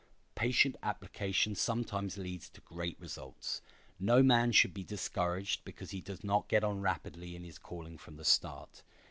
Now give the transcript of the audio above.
Patient application sometimes leads to great results. No man should be discouraged because he does not get on rapidly in his calling from the start.